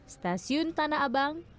stasiun tanah abang